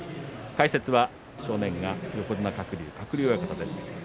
解説は正面が横綱鶴竜の鶴竜親方です。